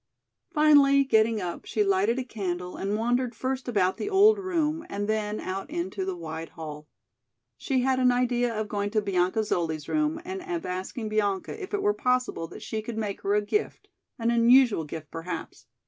Finally getting up she lighted a candle and wandered first about the old room and then out into the wide hall. She had an idea of going to Bianca Zoli's room and of asking Bianca if it were possible that she could make her a gift, an unusual gift perhaps.